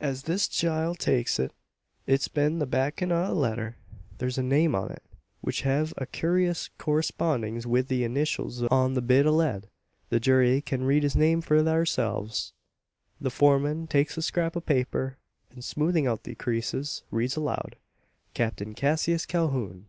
As this chile takes it, it's bin the backin' o' a letter. Thur's a name on it, which hev a kewrious correspondings wi' the ineeshuls on the bit o' lead. The jury kin read the name for tharselves." The foreman takes the scrap of paper; and, smoothing out the creases, reads aloud: Captain Cassius Calhoun!